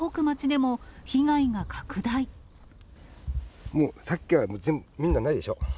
もう先が全部、みんなないでしょ。